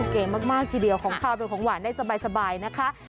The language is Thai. เก๋มากทีเดียวของขาวเป็นของหวานได้สบายนะคะ